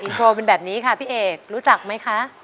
โชว์เป็นแบบนี้ค่ะพี่เอกรู้จักไหมคะ